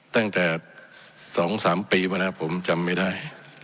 ตั้งแต่สองสามปีมานะครับผมจำไม่ได้